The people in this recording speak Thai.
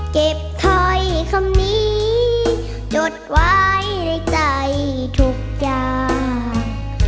เก็บถ้อยคำมีจดไว้ในใจทุกอย่าง